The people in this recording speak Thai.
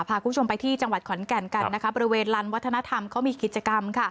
พาคุณผู้ชมไปที่จังหวัดขอนแก่นกันนะคะบริเวณลานวัฒนธรรมเขามีกิจกรรม